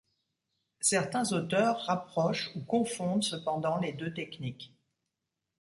Certains auteurs rapprochent ou confondent cependant les deux techniques.